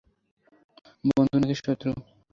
বন্ধু নাকি শত্রু?